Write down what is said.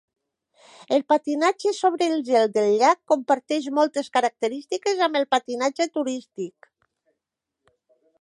El patinatge sobre el gel del llac comparteix moltes característiques amb el patinatge turístic.